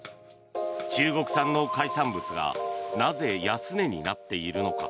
中国産の海産物がなぜ安値になっているのか。